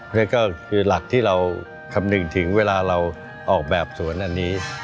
นั่นก็คือหลักที่เราคำนึงถึงเวลาเราออกแบบสวนอันนี้